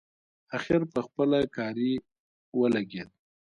اخر پخپله کاري ولګېد.